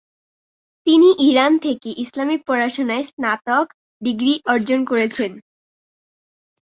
তিনি ইরান থেকে ইসলামিক পড়াশুনায় স্নাতক ডিগ্রি অর্জন করেছেন।